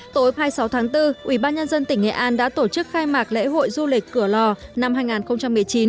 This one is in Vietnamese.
tối hai mươi sáu tháng bốn ubnd tỉnh nghệ an đã tổ chức khai mạc lễ hội du lịch cửa lò năm hai nghìn một mươi chín